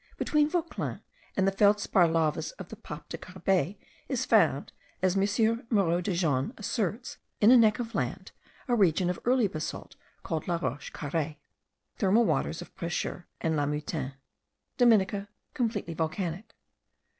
Between Vauclin and the feldspar lavas of the Paps of Carbet is found, as M. Moreau de Jonnes asserts, in a neck of land, a region of early basalt called La Roche Carree). Thermal waters of Precheur and Lameutin. Dominica, completely volcanic.